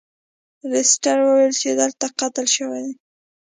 لیسټرډ وویل چې دلته قتل شوی دی.